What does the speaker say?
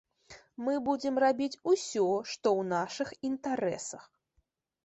Мы будзем рабіць усё, што ў нашых інтарэсах.